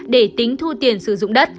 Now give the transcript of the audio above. để tính thu tiền sử dụng đất